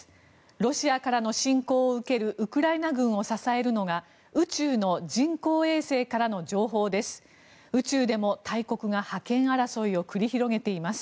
ロシアからの侵攻を受けるウクライナ軍を支えるのが宇宙の人工衛星からの情報です。